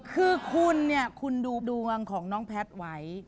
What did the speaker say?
คือคุณเนี่ยคุณดูดวงของน้องแพทย์ไว้